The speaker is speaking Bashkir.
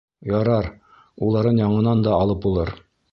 Ярар, уларын яңынан да алып булыр.